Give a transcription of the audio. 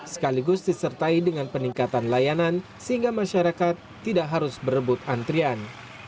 sekaligus disertai dengan peningkatan layanan sehingga masyarakat tidak harus berebut antrian